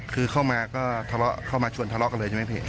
คือเข้ามาก็ทะเลาะเข้ามาชวนทะเลาะกันเลยใช่ไหมพี่